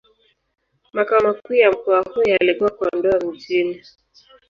Makao makuu ya mkoa huo yalikuwa Kondoa Mjini.